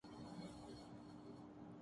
دیکھا ہے کئی بار چراغوں کو بجھا کر